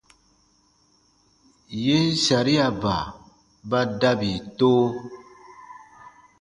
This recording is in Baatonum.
Yen sariaba ba dabi to.